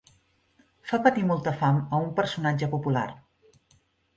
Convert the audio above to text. Fa patir molta fam a un personatge popular.